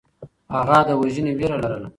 هغه د وژنې وېره لرله.